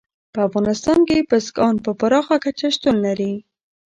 په افغانستان کې بزګان په پراخه کچه شتون لري.